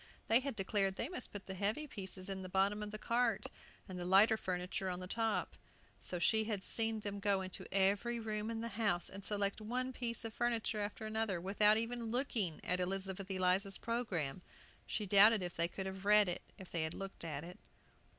They had declared they must put the heavy pieces in the bottom of the cart, and the lighter furniture on top. So she had seen them go into every room in the house, and select one piece of furniture after another, without even looking at Elizabeth Eliza's programme; she doubted if they could have read it if they had looked at it.